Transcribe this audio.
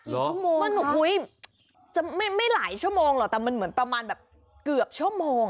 ชั่วโมงมันอุ้ยจะไม่ไม่หลายชั่วโมงหรอกแต่มันเหมือนประมาณแบบเกือบชั่วโมงอ่ะ